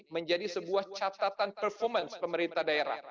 menjadi sebuah catatan performance pemerintah daerah